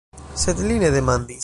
Sed li ne demandis.